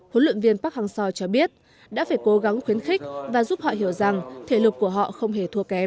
huấn luyện viên park hang seo cho biết đã phải cố gắng khuyến khích và giúp họ hiểu rằng thể lực của họ không hề thua kém